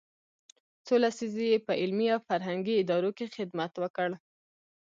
څو لسیزې یې په علمي او فرهنګي ادارو کې خدمت وکړ.